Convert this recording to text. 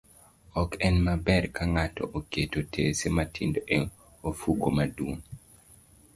Ok nen maber ka ng'ato oketo otese matindo e ofuko maduong',